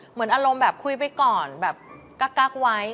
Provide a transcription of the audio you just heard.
เหมือนอารมณ์แบบคุยไปก่อนแบบกักไว้